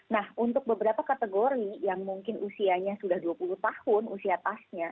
nah untuk beberapa kategori yang mungkin usianya sudah dua puluh tahun usia tasnya